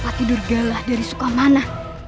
tidur galah dari sukamana